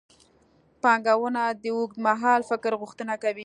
پانګونه د اوږدمهال فکر غوښتنه کوي.